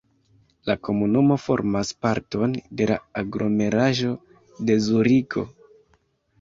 La komunumo formas parton de la aglomeraĵo de Zuriko.